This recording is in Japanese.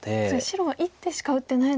白は１手しか打ってないのに。